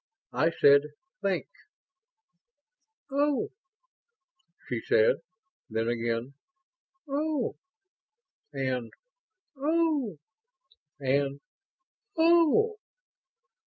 I said think!" "Oh," she said, then again "Oh," and "Oh," and "Oh."